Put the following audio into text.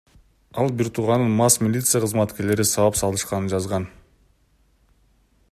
Ал бир тууганын мас милиция кызматкерлери сабап салышканын жазган.